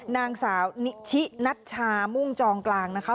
นางสาวนิชินัชชามุ่งจองกลางนะคะ